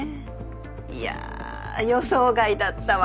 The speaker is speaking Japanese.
いや予想外だったわ。